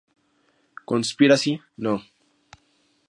Conspiracy No.